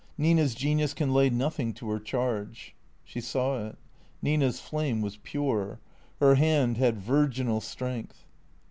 Nina 's genius can lay nothing to her charge." She saw it. Nina's flame was pure. Her hand had virginal strength.